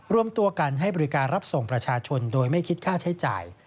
รวมตัวกันให้บริการรับส่งประชาชนโดยไม่คิดค่าใช้จ่าย